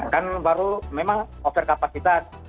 karena baru memang overcapacity